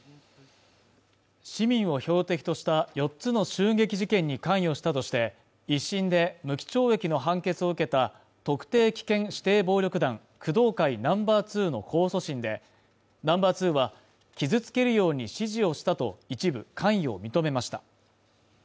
市民を標的とした４つの襲撃事件に関与したとして１審で無期懲役の判決を受けた特定危険指定暴力団・工藤会ナンバー２の控訴審でナンバー２は傷つけるように指示をしたと一部関与を認めました